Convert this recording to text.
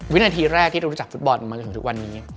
วินาทีแรกที่รู้จักฟุตบอลมาถึงถึงวันนี้